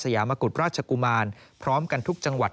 ยามกุฎราชกุมารพร้อมกันทุกจังหวัด